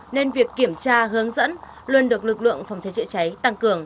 nên việc kiểm tra hướng dẫn luôn được lực lượng phòng cháy chữa cháy tăng cường